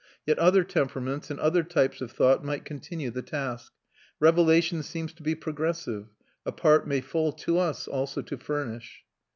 Yet other temperaments and other types of thought might continue the task. Revelation seems to be progressive; a part may fall to us also to furnish.